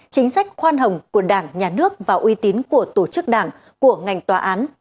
chính sách khoan hồng của đảng nhà nước và uy tín của tổ chức đảng của ngành tòa án